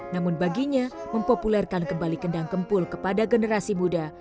namun baginya mempopulerkan kembali kendang kempul kepada generasi muda